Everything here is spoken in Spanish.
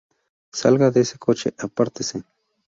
¡ Salga de ese coche! ¡ apártese!